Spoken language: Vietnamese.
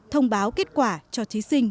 thông báo kết quả cho thí sinh